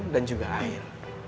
dan juga air